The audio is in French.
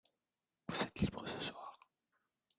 Vous êtes libre ce soir ?